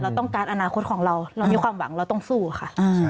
ต้องการอนาคตของเราเรามีความหวังเราต้องสู้ค่ะ